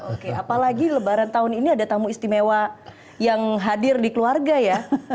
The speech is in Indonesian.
oke apalagi lebaran tahun ini ada tamu istimewa yang hadir di keluarga ya